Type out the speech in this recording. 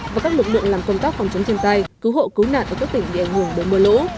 và các lực lượng làm công tác phòng chống thiên tai cứu hộ cứu nạn ở các tỉnh bị ảnh hưởng bởi mưa lũ